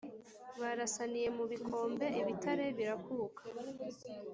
Barasaniye mu bikombe ibitare birakuka,